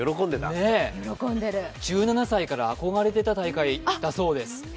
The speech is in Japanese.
１７歳から憧れていた大会だそうです。